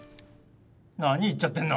何言っちゃってるの？